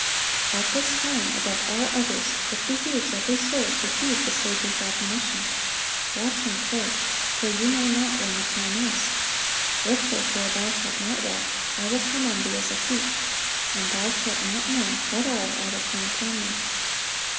At this time above all others it behooves every soul to heed the Saviour's admonition, "Watch and pray: for ye know not when the time is."(873) "If therefore thou shalt not watch, I will come on thee as a thief, and thou shalt not know what hour I will come upon thee."